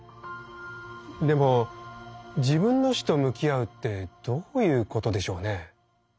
でも自分の死と向き合うってどういうことでしょうね？